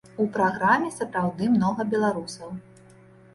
У праграме сапраўды многа беларусаў.